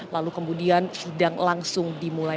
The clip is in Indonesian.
lalu kemudian sidang langsung dimulai